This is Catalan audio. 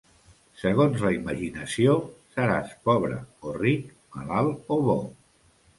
Segons la imaginació, seràs pobre o ric, malalt o bo.